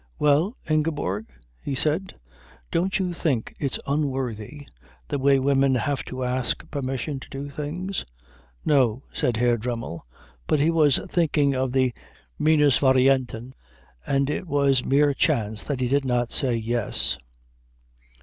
"Well, Ingeborg?" he said. "Don't you think it's unworthy, the way women have to ask permission to do things?" "No," said Herr Dremmel; but he was thinking of the Minusvarianten, and it was mere chance that he did not say Yes.